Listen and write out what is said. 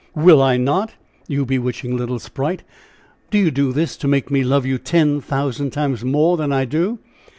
"Will I not? You bewitching little sprite! do you do this to make me love you ten thousand times more than I do?"